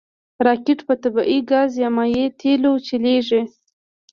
راکټ په طبعي ګاز یا مایع تېلو چلیږي